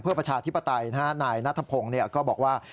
ประชาธิปไตยนายนัทพงศ์ก็บอกว่า